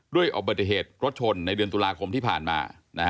ด้วยอบเบิร์ตเหตุรสชนในเดือนตุลาคมที่ผ่านมา